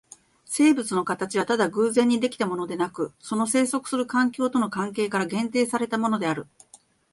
生物の形はただ偶然に出来たものでなく、その棲息する環境との関係から限定されたものである。